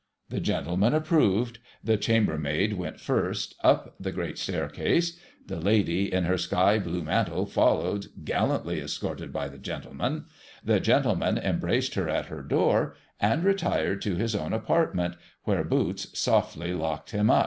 ' The gentleman approved ; the chambermaid went first, up the great staircase ; the lady, in her sky blue mantle, followed, gallantly escorted by the gentleman ; the gentleman embraced her at her door, and retired to his own apart ment, where Boots softly locked him up.